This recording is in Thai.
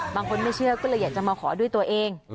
ไม่เชื่อก็เลยอยากจะมาขอด้วยตัวเอง